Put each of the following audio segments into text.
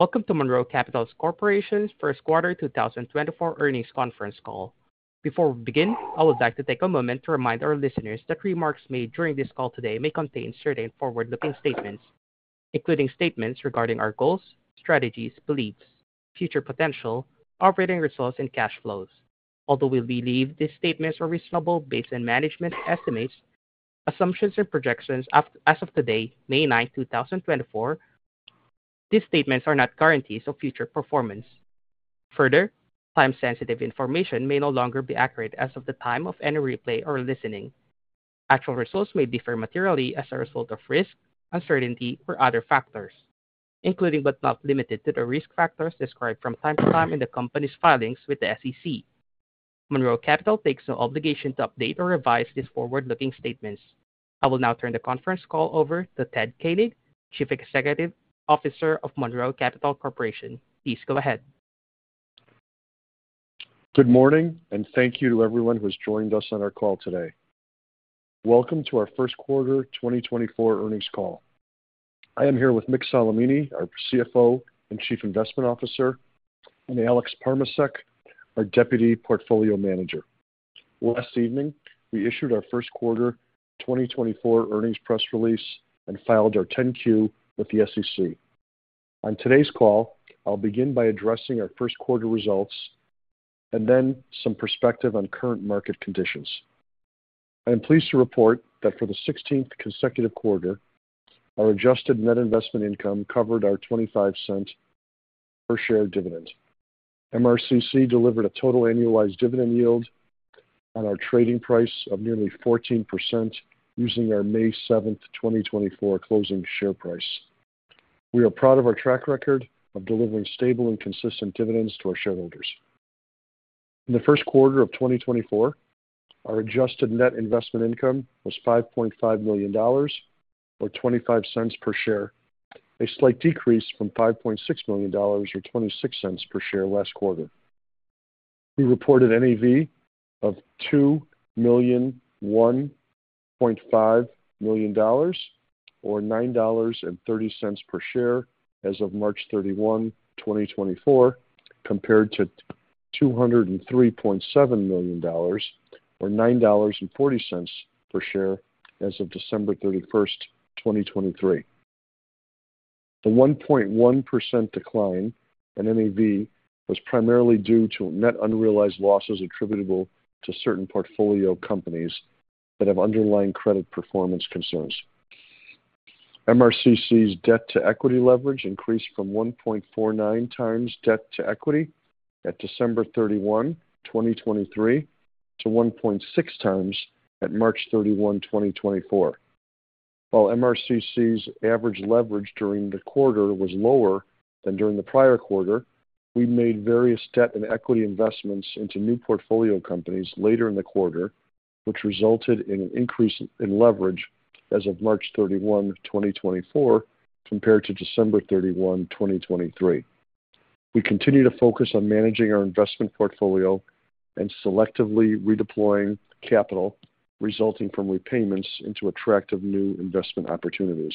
Welcome to Monroe Capital Corporation's first quarter 2024 earnings conference call. Before we begin, I would like to take a moment to remind our listeners that remarks made during this call today may contain certain forward-looking statements, including statements regarding our goals, strategies, beliefs, future potential, operating results, and cash flows. Although we believe these statements are reasonable based on management estimates, assumptions, and projections as of today, May 9, 2024, these statements are not guarantees of future performance. Further, time-sensitive information may no longer be accurate as of the time of any replay or listening. Actual results may differ materially as a result of risk, uncertainty, or other factors, including but not limited to the risk factors described from time to time in the company's filings with the SEC. Monroe Capital takes no obligation to update or revise these forward-looking statements. I will now turn the conference call over to Theodore L. Koenig, Chief Executive Officer of Monroe Capital Corporation. Please go ahead. Good morning, and thank you to everyone who has joined us on our call today. Welcome to our first quarter 2024 earnings call. I am here with Mick Solimene, our CFO and Chief Investment Officer, and Alex Parmacek, our Deputy Portfolio Manager. Last evening, we issued our first quarter 2024 earnings press release and filed our 10-Q with the SEC. On today's call, I'll begin by addressing our 1st Quarter results and then some perspective on current market conditions. I am pleased to report that for the 16th consecutive quarter, our adjusted net investment income covered our $0.25 per share dividend. MRCC delivered a total annualized dividend yield on our trading price of nearly 14% using our May 7th, 2024, closing share price. We are proud of our track record of delivering stable and consistent dividends to our shareholders. In the first quarter of 2024, our adjusted net investment income was $5.5 million or $0.25 per share, a slight decrease from $5.6 million or $0.26 per share last quarter. We reported NAV of $2,001,500,000 or $9.30 per share as of March 31, 2024, compared to $203.7 million or $9.40 per share as of December 31st, 2023. The 1.1% decline in NAV was primarily due to net unrealized losses attributable to certain portfolio companies that have underlying credit performance concerns. MRCC's debt-to-equity leverage increased from 1.49x debt-to-equity at December 31, 2023, to 1.6x at March 31, 2024. While MRCC's average leverage during the quarter was lower than during the prior quarter, we made various debt and equity investments into new portfolio companies later in the quarter, which resulted in an increase in leverage as of March 31, 2024, compared to December 31, 2023. We continue to focus on managing our investment portfolio and selectively redeploying capital, resulting from repayments, into attractive new investment opportunities.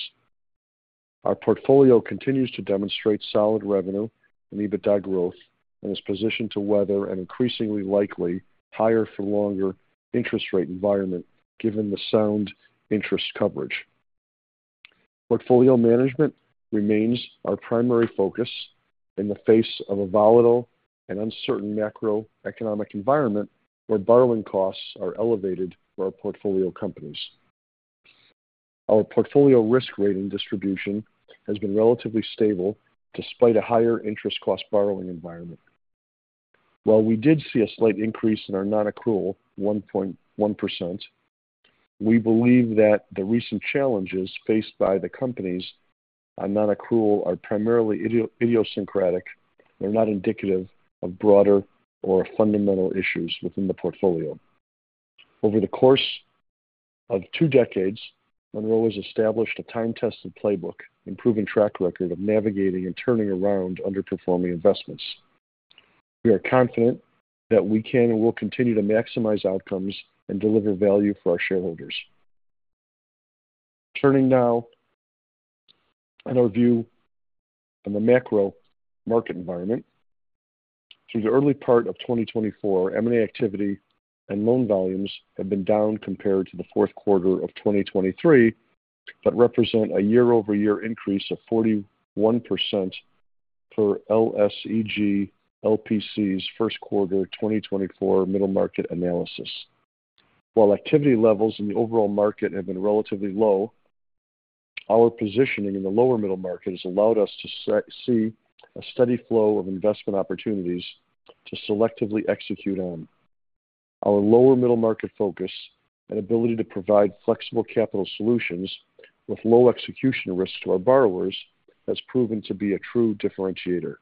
Our portfolio continues to demonstrate solid revenue and EBITDA growth and is positioned to weather an increasingly likely higher-for-longer interest rate environment given the sound interest coverage. Portfolio management remains our primary focus in the face of a volatile and uncertain macroeconomic environment where borrowing costs are elevated for our portfolio companies. Our portfolio risk rating distribution has been relatively stable despite a higher interest-cost borrowing environment. While we did see a slight increase in our non-accrual 1.1%, we believe that the recent challenges faced by the companies on non-accrual are primarily idiosyncratic and are not indicative of broader or fundamental issues within the portfolio. Over the course of two decades, Monroe has established a time-tested playbook and proven track record of navigating and turning around underperforming investments. We are confident that we can and will continue to maximize outcomes and deliver value for our shareholders. Turning now on our view on the macro market environment, through the early part of 2024, M&A activity and loan volumes have been down compared to the fourth quarter of 2023 but represent a year-over-year increase of 41% per LSEG LPC's first quarter 2024 middle market analysis. While activity levels in the overall market have been relatively low, our positioning in the lower middle market has allowed us to see a steady flow of investment opportunities to selectively execute on. Our lower middle market focus and ability to provide flexible capital solutions with low execution risk to our borrowers has proven to be a true differentiator.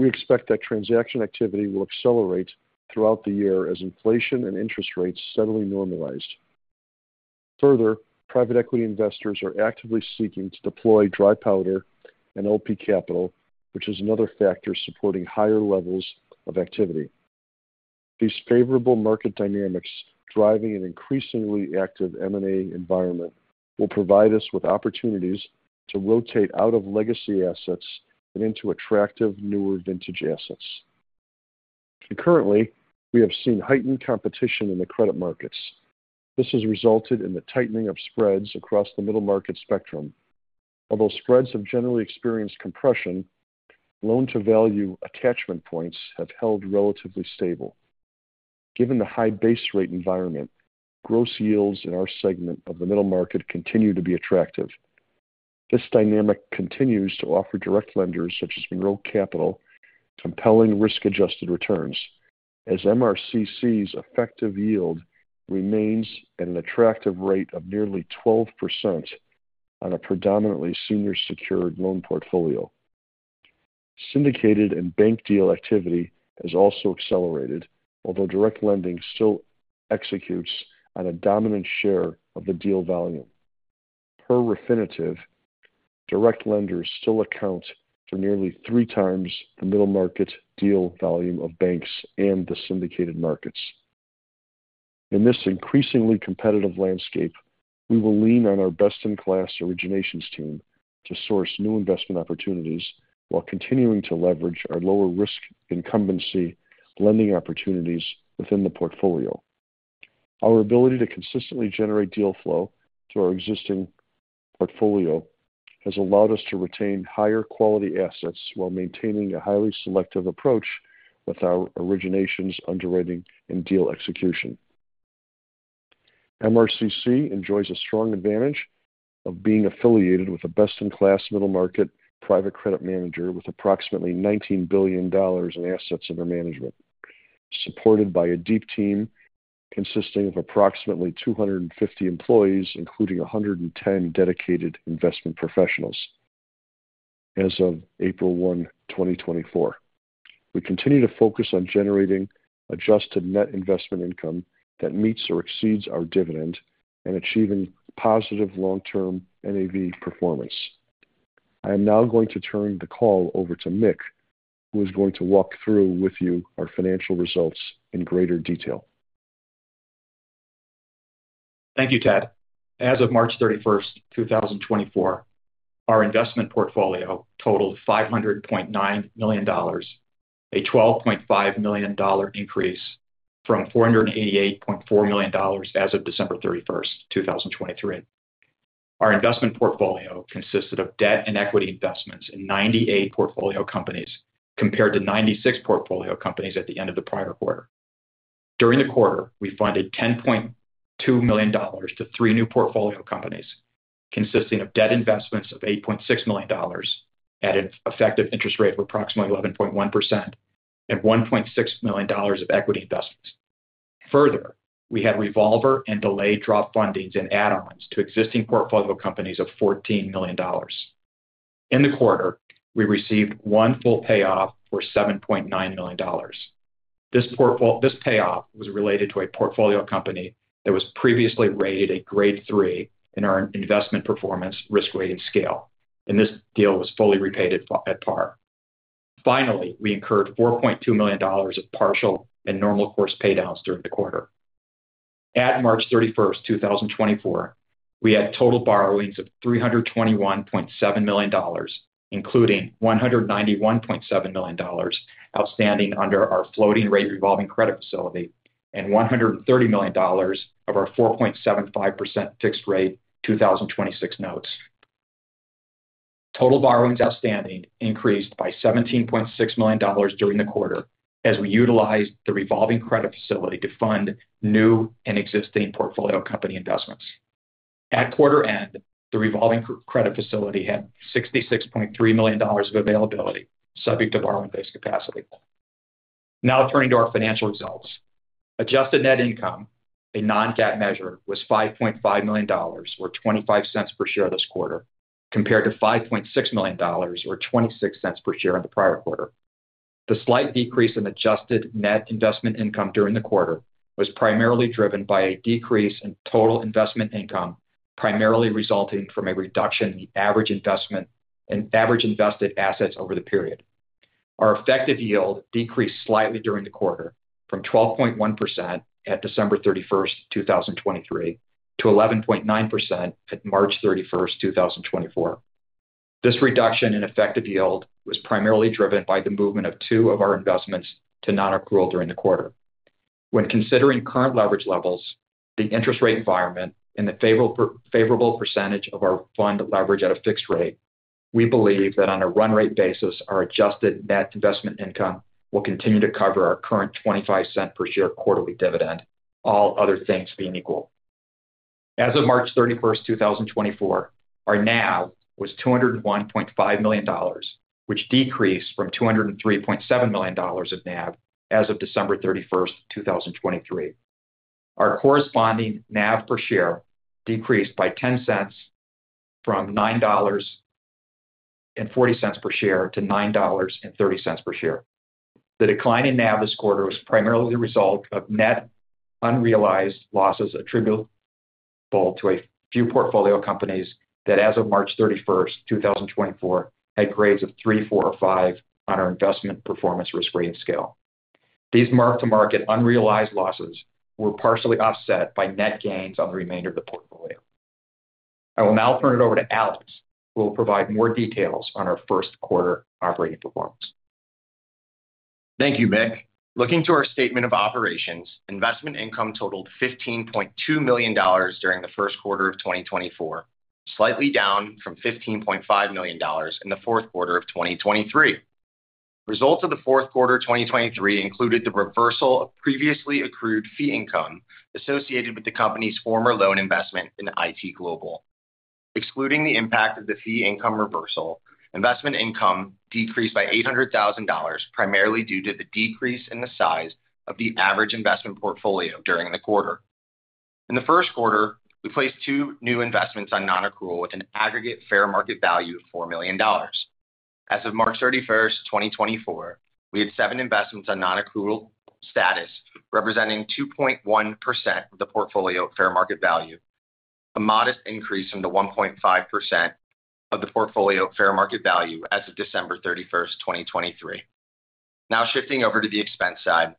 We expect that transaction activity will accelerate throughout the year as inflation and interest rates steadily normalized. Further, private equity investors are actively seeking to deploy dry powder and LP capital, which is another factor supporting higher levels of activity. These favorable market dynamics driving an increasingly active M&A environment will provide us with opportunities to rotate out of legacy assets and into attractive newer vintage assets. Concurrently, we have seen heightened competition in the credit markets. This has resulted in the tightening of spreads across the middle market spectrum. Although spreads have generally experienced compression, loan-to-value attachment points have held relatively stable. Given the high base-rate environment, gross yields in our segment of the middle market continue to be attractive. This dynamic continues to offer direct lenders such as Monroe Capital compelling risk-adjusted returns as MRCC's effective yield remains at an attractive rate of nearly 12% on a predominantly senior-secured loan portfolio. Syndicated and bank deal activity has also accelerated, although direct lending still executes on a dominant share of the deal volume. Per Refinitiv, direct lenders still account for nearly three times the middle market deal volume of banks and the syndicated markets. In this increasingly competitive landscape, we will lean on our best-in-class originations team to source new investment opportunities while continuing to leverage our lower-risk incumbency lending opportunities within the portfolio. Our ability to consistently generate deal flow to our existing portfolio has allowed us to retain higher-quality assets while maintaining a highly selective approach with our originations underwriting and deal execution. MRCC enjoys a strong advantage of being affiliated with a best-in-class middle market private credit manager with approximately $19 billion in assets under management, supported by a deep team consisting of approximately 250 employees, including 110 dedicated investment professionals, as of April 1, 2024. We continue to focus on generating Adjusted Net Investment Income that meets or exceeds our dividend and achieving positive long-term NAV performance. I am now going to turn the call over to Mick, who is going to walk through with you our financial results in greater detail. Thank you, Ted. As of March 31st, 2024, our investment portfolio totaled $500.9 million, a $12.5 million increase from $488.4 million as of December 31st, 2023. Our investment portfolio consisted of debt and equity investments in 98 portfolio companies compared to 96 portfolio companies at the end of the prior quarter. During the quarter, we funded $10.2 million to three new portfolio companies consisting of debt investments of $8.6 million at an effective interest rate of approximately 11.1% and $1.6 million of equity investments. Further, we had revolver and delayed draw fundings and add-ons to existing portfolio companies of $14 million. In the quarter, we received one full payoff for $7.9 million. This payoff was related to a portfolio company that was previously rated a grade 3 in our investment performance risk rating scale, and this deal was fully repaid at par. Finally, we incurred $4.2 million of partial and normal course paydowns during the quarter. At March 31st, 2024, we had total borrowings of $321.7 million, including $191.7 million outstanding under our floating rate revolving credit facility and $130 million of our 4.75% fixed rate 2026 notes. Total borrowings outstanding increased by $17.6 million during the quarter as we utilized the revolving credit facility to fund new and existing portfolio company investments. At quarter end, the revolving credit facility had $66.3 million of availability subject to borrowing base capacity. Now turning to our financial results. Adjusted net income, a non-GAAP measure, was $5.5 million or $0.25 per share this quarter compared to $5.6 million or $0.26 per share in the prior quarter. The slight decrease in adjusted net investment income during the quarter was primarily driven by a decrease in total investment income, primarily resulting from a reduction in the average invested assets over the period. Our effective yield decreased slightly during the quarter from 12.1% at December 31st, 2023, to 11.9% at March 31st, 2024. This reduction in effective yield was primarily driven by the movement of two of our investments to non-accrual during the quarter. When considering current leverage levels, the interest rate environment, and the favorable percentage of our fund leverage at a fixed rate, we believe that on a run-rate basis, our adjusted net investment income will continue to cover our current $0.25 per share quarterly dividend, all other things being equal. As of March 31st, 2024, our NAV was $201.5 million, which decreased from $203.7 million of NAV as of December 31st, 2023. Our corresponding NAV per share decreased by $0.10 from $9.40 per share to $9.30 per share. The decline in NAV this quarter was primarily the result of net unrealized losses attributable to a few portfolio companies that, as of March 31st, 2024, had grades of 3, grade 4, or grade 5 on our investment performance risk rating scale. These mark-to-market unrealized losses were partially offset by net gains on the remainder of the portfolio. I will now turn it over to Alex, who will provide more details on our first quarter operating performance. Thank you, Mick. Looking to our statement of operations, investment income totaled $15.2 million during the first quarter of 2024, slightly down from $15.5 million in the fourth quarter of 2023. Results of the fourth quarter 2023 included the reversal of previously accrued fee income associated with the company's former loan investment in IT Global. Excluding the impact of the fee income reversal, investment income decreased by $800,000 primarily due to the decrease in the size of the average investment portfolio during the quarter. In the first quarter, we placed two new investments on non-accrual with an aggregate fair market value of $4 million. As of March 31st, 2024, we had seven investments on non-accrual status representing 2.1% of the portfolio fair market value, a modest increase from the 1.5% of the portfolio fair market value as of December 31st, 2023. Now shifting over to the expense side,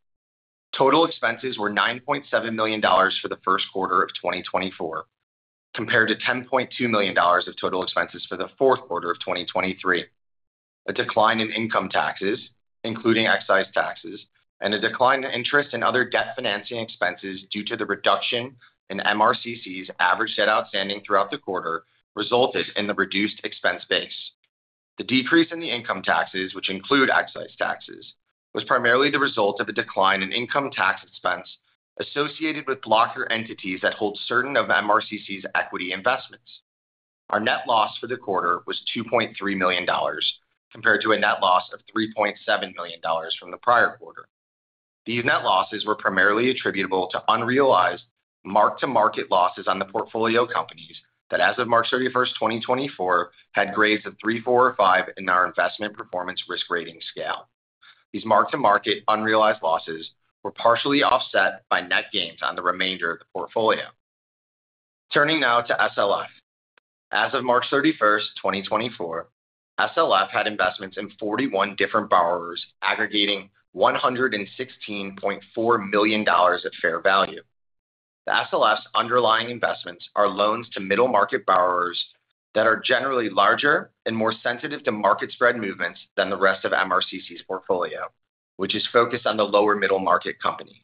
total expenses were $9.7 million for the first quarter of 2024 compared to $10.2 million of total expenses for the fourth quarter of 2023. A decline in income taxes, including excise taxes, and a decline in interest and other debt financing expenses due to the reduction in MRCC's average debt outstanding throughout the quarter resulted in the reduced expense base. The decrease in the income taxes, which include excise taxes, was primarily the result of a decline in income tax expense associated with blocker entities that hold certain of MRCC's equity investments. Our net loss for the quarter was $2.3 million compared to a net loss of $3.7 million from the prior quarter. These net losses were primarily attributable to unrealized mark-to-market losses on the portfolio companies that, as of March 31st, 2024, had grades of 3, grade 4, or grade 5 in our investment performance risk rating scale. These mark-to-market unrealized losses were partially offset by net gains on the remainder of the portfolio. Turning now to SLF. As of March 31st, 2024, SLF had investments in 41 different borrowers aggregating $116.4 million at fair value. The SLF's underlying investments are loans to middle market borrowers that are generally larger and more sensitive to market spread movements than the rest of MRCC's portfolio, which is focused on the lower middle market companies.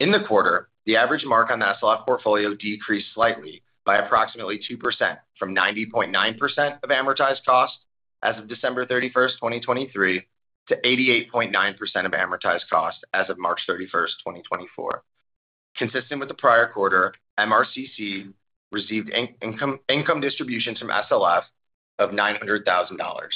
In the quarter, the average mark on the SLF portfolio decreased slightly by approximately 2% from 90.9% of amortized cost as of December 31st, 2023, to 88.9% of amortized cost as of March 31st, 2024. Consistent with the prior quarter, MRCC received income distribution from SLF of $900,000.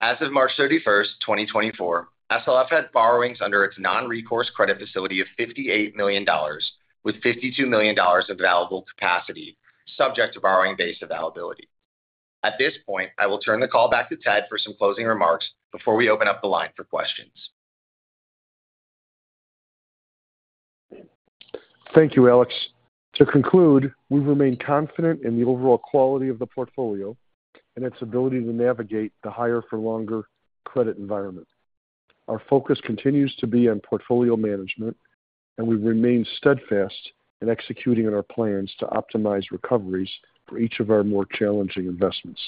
As of March 31st, 2024, SLF had borrowings under its non-recourse credit facility of $58 million with $52 million of available capacity subject to borrowing base availability. At this point, I will turn the call back to Ted for some closing remarks before we open up the line for questions. Thank you, Alex. To conclude, we remain confident in the overall quality of the portfolio and its ability to navigate the higher-for-longer credit environment. Our focus continues to be on portfolio management, and we remain steadfast in executing on our plans to optimize recoveries for each of our more challenging investments.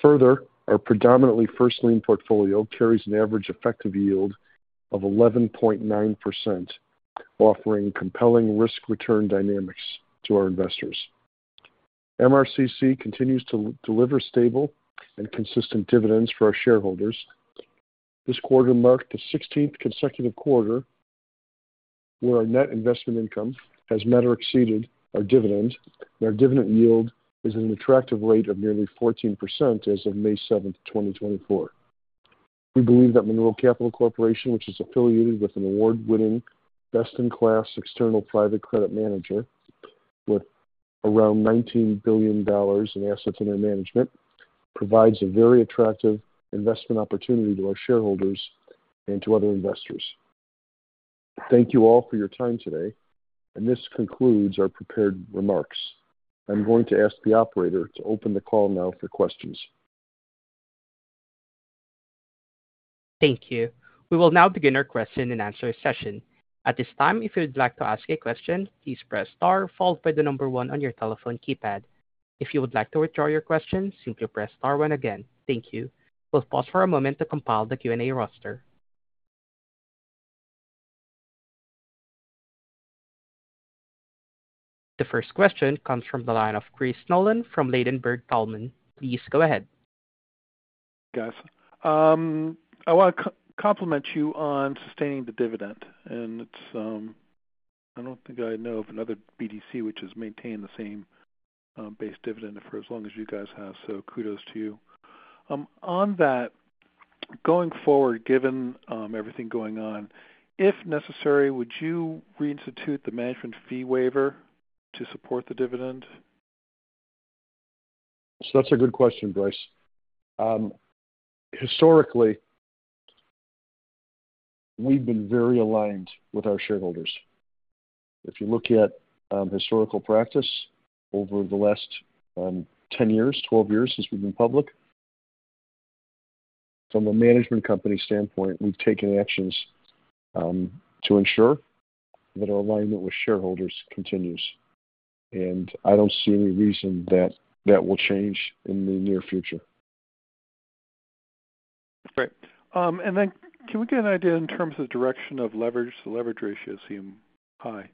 Further, our predominantly first-lien portfolio carries an average effective yield of 11.9%, offering compelling risk-return dynamics to our investors. MRCC continues to deliver stable and consistent dividends for our shareholders. This quarter marked the 16th consecutive quarter where our net investment income has met or exceeded our dividend, and our dividend yield is at an attractive rate of nearly 14% as of May 7th, 2024. We believe that Monroe Capital Corporation, which is affiliated with an award-winning best-in-class external private credit manager with around $19 billion in assets under management, provides a very attractive investment opportunity to our shareholders and to other investors. Thank you all for your time today, and this concludes our prepared remarks. I'm going to ask the operator to open the call now for questions. Thank you. We will now begin our question-and-answer session. At this time, if you would like to ask a question, please press star followed by the number one on your telephone keypad. If you would like to withdraw your question, simply press star again. Thank you. We'll pause for a moment to compile the Q&A roster. The first question comes from the line of Chris Nolan from Ladenburg Thalmann. Please go ahead. Guys, I want to compliment you on sustaining the dividend, and I don't think I know of another BDC which has maintained the same base dividend for as long as you guys have, so kudos to you. On that, going forward, given everything going on, if necessary, would you reinstitute the management fee waiver to support the dividend? That's a good question, Christopher. Historically, we've been very aligned with our shareholders. If you look at historical practice over the last 10 years, 12 years since we've been public, from a management company standpoint, we've taken actions to ensure that our alignment with shareholders continues, and I don't see any reason that will change in the near future. Great. And then can we get an idea in terms of direction of leverage? The leverage ratio seem high.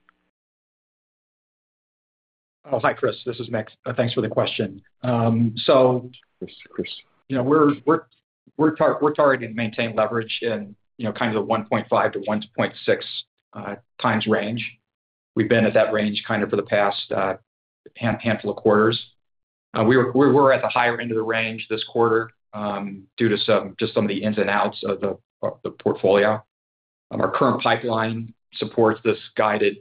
Hi, Chris. This is Mick. Thanks for the question. So. Chris, Chris. We're targeting to maintain leverage in kind of the 1.5-1.6x range. We've been at that range kind of for the past handful of quarters. We were at the higher end of the range this quarter due to just some of the ins and outs of the portfolio. Our current pipeline supports this guided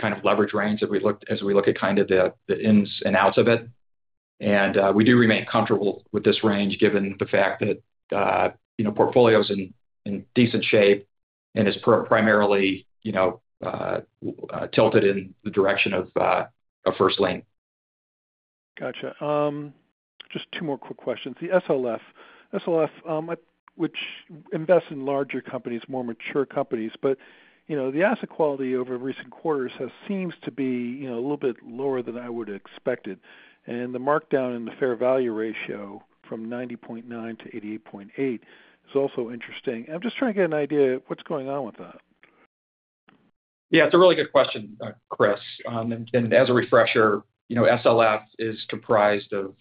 kind of leverage range as we look at kind of the ins and outs of it. And we do remain comfortable with this range given the fact that portfolio is in decent shape and is primarily tilted in the direction of first-lien. Gotcha. Just two more quick questions. The SLF, which invests in larger companies, more mature companies, but the asset quality over recent quarters seems to be a little bit lower than I would have expected. And the markdown in the fair value ratio from 90.9-88.8 is also interesting. I'm just trying to get an idea of what's going on with that. Yeah, it's a really good question, Chris. As a refresher, SLF is comprised of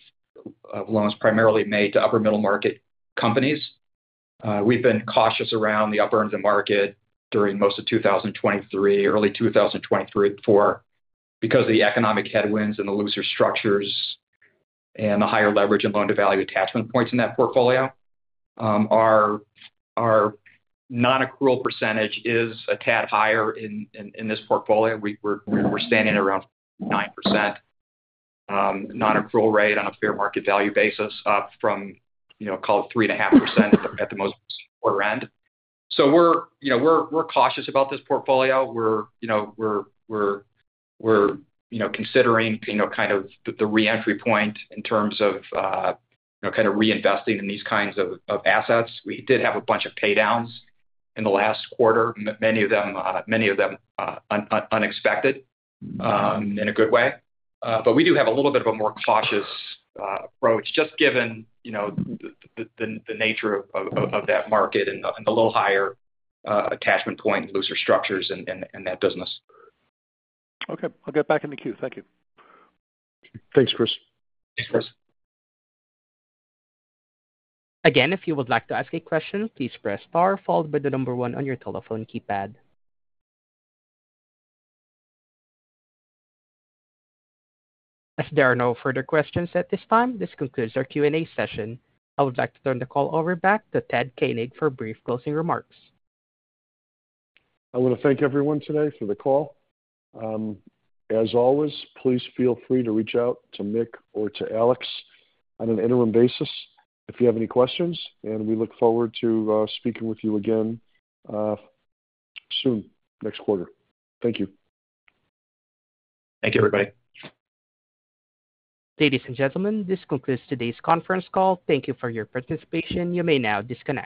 loans primarily made to upper middle market companies. We've been cautious around the upper end of the market during most of 2023, early 2023 before, because of the economic headwinds and the looser structures and the higher leverage and loan-to-value attachment points in that portfolio. Our non-accrual percentage is a tad higher in this portfolio. We're standing at around 9% non-accrual rate on a fair market value basis up from, call it, 3.5% at the most quarter end. We're cautious about this portfolio. We're considering kind of the reentry point in terms of kind of reinvesting in these kinds of assets. We did have a bunch of paydowns in the last quarter, many of them unexpected in a good way. We do have a little bit of a more cautious approach just given the nature of that market and the little higher attachment point and looser structures in that business. Okay. I'll get back in the queue. Thank you. Thanks, Chris. Thanks, Chris. Again, if you would like to ask a question, please press star followed by the number one on your telephone keypad. As there are no further questions at this time, this concludes our Q&A session. I would like to turn the call over back to Ted Koenig for brief closing remarks. I want to thank everyone today for the call. As always, please feel free to reach out to Mick or to Alex on an interim basis if you have any questions, and we look forward to speaking with you again soon, next quarter. Thank you. Thank you, everybody. Ladies and gentlemen, this concludes today's conference call. Thank you for your participation. You may now disconnect.